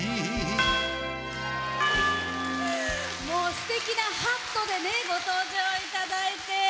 すてきなハットでご登場いただいて。